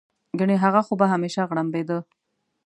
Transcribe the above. ګنې هغه خو به همېشه غړمبېده.